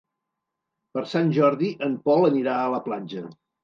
Per Sant Jordi en Pol anirà a la platja.